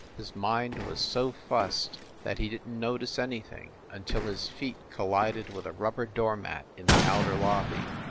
His mind was so fussed that he didn t notice anything until his feet collided with a rubber door mat in the outer lobby.